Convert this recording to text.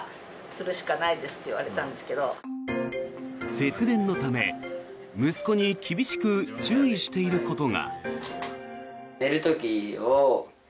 節電のため、息子に厳しく注意していることが。